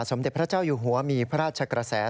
สมเด็จพระเจ้าอยู่หัวมีพระราชกระแส